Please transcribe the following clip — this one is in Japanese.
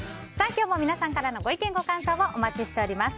今日も皆さんからのご意見、ご感想をお待ちしています。